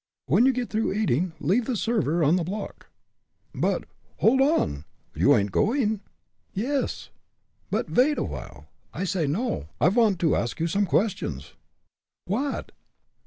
"When you get through eating leave the server on the block." "But, hold on you ain'd going?" "Yes." "But vait aw'ile! I say no. I vant to ask you some questions." "What?"